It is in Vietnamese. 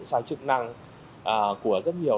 sai chức năng của rất nhiều